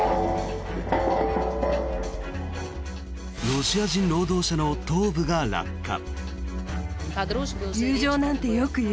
ロシア人労働者の頭部が落下。